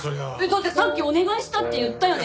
だってさっきお願いしたって言ったよね？